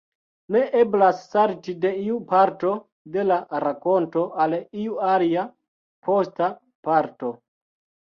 Ne eblas salti de iu parto de la rakonto al iu alia posta parto.